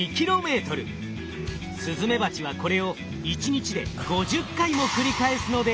スズメバチはこれを１日で５０回も繰り返すので。